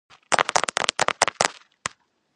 მდებარეობს ფაფის მუნიციპალიტეტში.